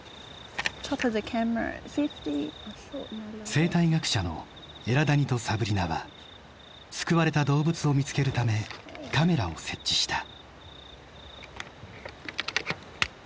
生態学者のエラダニとサブリナは救われた動物を見つけるためカメラを設置した。